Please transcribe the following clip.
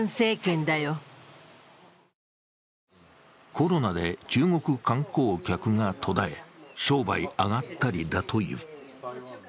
コロナで中国観光客が途絶え、商売あがったりだという。